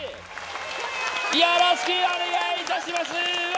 よろしくお願いいたします！笑